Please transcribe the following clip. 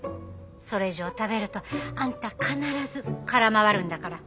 それ以上食べるとあんた必ず空回るんだから。